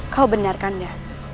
kau benarkan ya